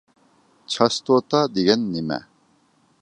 چاستوتا دېگەن نېمە؟